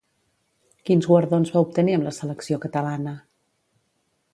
Quins guardons va obtenir amb la selecció catalana?